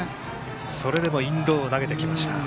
それでもインローを投げてきました。